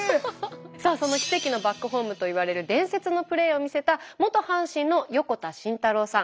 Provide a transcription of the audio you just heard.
さあその「奇跡のバックホーム」といわれる伝説のプレーを見せた元阪神の横田慎太郎さん。